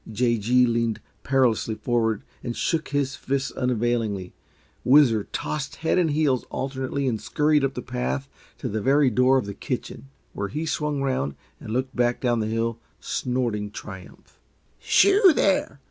J. G. leaned perilously forward and shook his fist unavailingly. Whizzer tossed head and heels alternately and scurried up the path to the very door of the kitchen, where he swung round and looked back down the hill snorting triumph. "Shoo, there!"